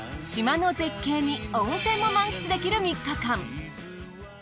島の絶景に温泉も満喫できる３日間。